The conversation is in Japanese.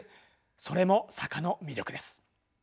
それも坂の魅力です。